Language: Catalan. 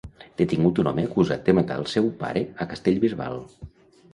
Detingut un home acusat de matar el seu pare a Castellbisbal.